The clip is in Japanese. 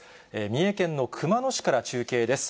三重県の熊野市から中継です。